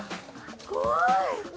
怖い！